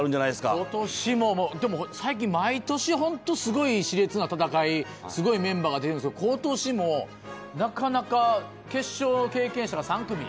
ことしも、でも、最近、毎年本当すごい熾烈な戦い、すごいメンバーが出るんですけれども、ことしもなかなか決勝の経験者が３組。